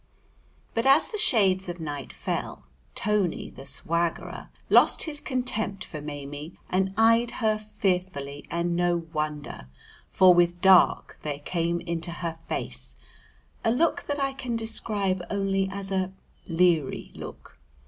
But as the shades of night fell, Tony, the swaggerer, lost his contempt for Maimie and eyed her fearfully, and no wonder, for with dark there came into her face a look that I can describe only as a leary look.